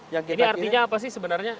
yang ini artinya apa sih sebenarnya